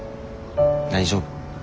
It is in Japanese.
大丈夫。